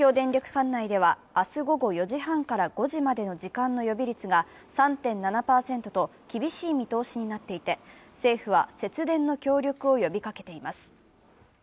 管内では明日午後４時半から５時までの時間の予備率が３．７％と厳しい見通しになっていて政府は節電の協力を呼びかけています。